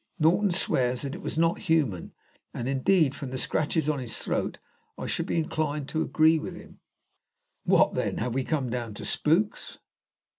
Norton swears that it was not human, and, indeed, from the scratches on his throat, I should be inclined to agree with him." "What, then? Have we come down to spooks?"